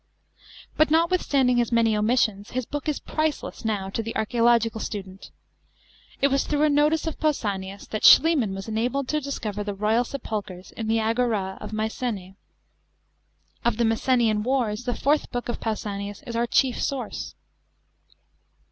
But notwithstanding his many omissions, his book is priceless now to the archaeological student. It was through a notice of Pausanias that Schliemarm was enabled to discover the royal sepulchres in the agora of Mycenae. For the Messeniau wars, the fourth Book of Pausanias is our chief source.